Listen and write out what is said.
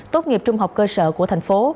tốt nghiệp trung học cơ sở của thành phố